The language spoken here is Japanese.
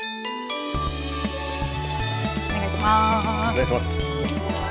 お願いします。